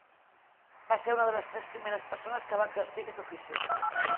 Va ser una de les tres primeres persones que va exercir aquest ofici.